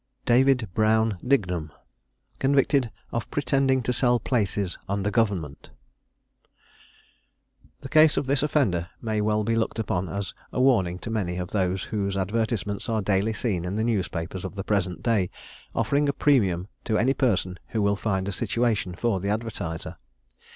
DAVID BROWN DIGNUM. CONVICTED OF PRETENDING TO SELL PLACES UNDER GOVERNMENT. The case of this offender may be well looked upon as a warning to many of those whose advertisements are daily seen in the newspapers of the present day, offering a premium to any person who will find a situation for the advertiser.